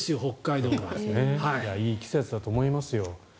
いい季節だと思いますよ。